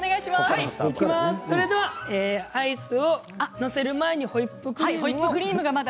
それではアイスを載せる前にホイップクリームを。